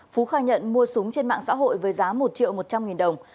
phú khai nhận mua súng trên mạng xã hội với giá một triệu một trăm linh nghìn đồng